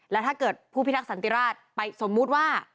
แล้วถ้าเกิดผู้พิทักษันติราชไปสมมุติว่า